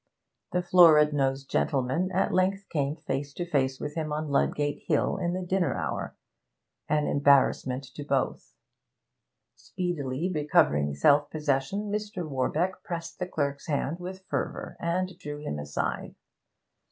The florid nosed gentleman at length came face to face with him on Ludgate Hill in the dinner hour an embarrassment to both. Speedily recovering self possession Mr. Warbeck pressed the clerk's hand with fervour and drew him aside.